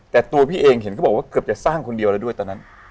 แต่ตัวพี่เองเห็นเขาบอกว่าเกือบจะสร้างคนเดียวแล้วด้วยตอนนั้น